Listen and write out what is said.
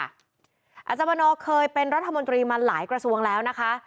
อาจารย์วันนอเคยเป็นรัฐมนตรีมาหลายกระทรวงแล้วนะคะ